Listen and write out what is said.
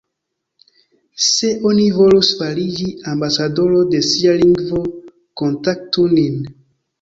Se oni volus fariĝi ambasadoro de sia lingvo, kontaktu nin.